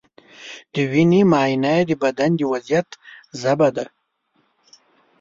د وینې معاینه د بدن د وضعیت ژبه ده.